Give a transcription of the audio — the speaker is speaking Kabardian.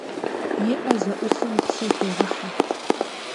И ӏэ зэӏусэм псэ хегъэхьэ.